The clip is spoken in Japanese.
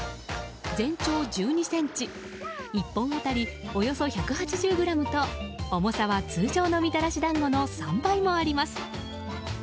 全長１２ｃｍ１本当たりおよそ１８０ｇと重さは通常のみたらし団子の３倍もあります。